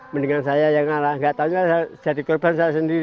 mendingan saya yang ngarah gak taunya jadi korban saya sendiri